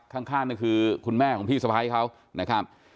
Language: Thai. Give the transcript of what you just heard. ข้างก็คือคุณแม่ของพี่สะพ้ายเขานะครับ